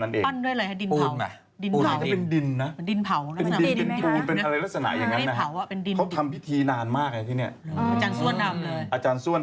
ปั้นด้วยอะไรนะหรอดินเผาดินเผานั้น